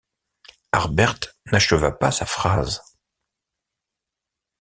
Harbert n’acheva pas sa phrase